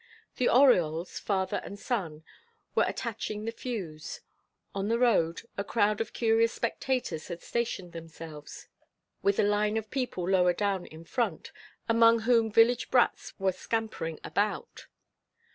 The Oriols, father and son, were attaching the fuse. On the road, a crowd of curious spectators had stationed themselves, with a line of people lower down in front, among whom village brats were scampering about.